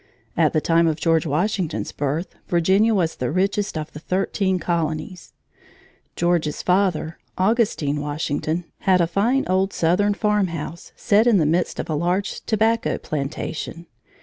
At the time of George Washington's birth, Virginia was the richest of the thirteen colonies. George's father, Augustine Washington, had a fine old southern farmhouse set in the midst of a large tobacco plantation.